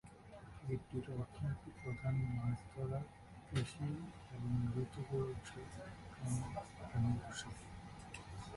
দ্বীপটির অর্থনীতি প্রধানত মাছ ধরার, কৃষি এবং ঋতু পর্যটন উপর নির্ভরশীল।